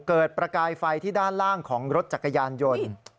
ประกายไฟที่ด้านล่างของรถจักรยานยนต์